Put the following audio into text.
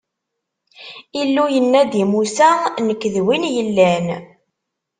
Illu yenna-d i Musa: Nekk, d Win yellan.